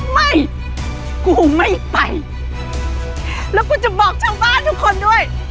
ไม่กูไม่ไปแล้วกูจะบอกชาวบ้านทุกคนด้วย